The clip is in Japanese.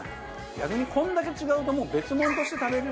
逆にこれだけ違うともう別物として食べられますね